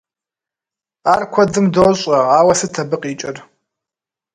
Ар куэдым дощӏэ, ауэ сыт абы къикӏыр?